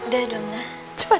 terima kasih ya pak